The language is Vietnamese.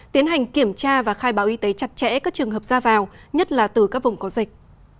tiến hành kiểm tra và khai báo y tế chặt chẽ các trường hợp ra vào nhất là từ các vùng có dịch